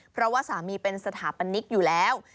เพราะว่าสามีเป็นสถาปนิกอยู่แล้ว